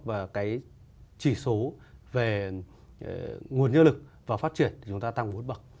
và cái chỉ số về nguồn nhân lực và phát triển thì chúng ta tăng bốn bậc